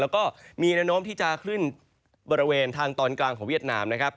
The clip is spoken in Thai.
แล้วก็มีแนวโน้มที่จะขึ้นบริเวณทางตอนกลางของเวียดนามนะครับ